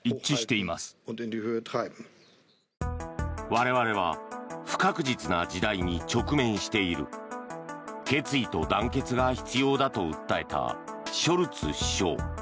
我々は不確実な時代に直面している決意と団結が必要だと訴えたショルツ首相。